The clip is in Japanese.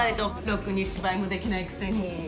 ロクに芝居もできないくせに。